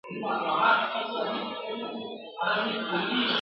په دوس کلي کي مېلمه مشر وي ..